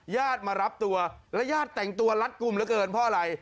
ญาติมารับตัวและญาติแต่งตัวรัดกลุ่มเหลือเกินเพราะอะไร